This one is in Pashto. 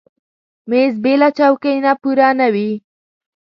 مېز بېله چوکۍ نه پوره نه وي.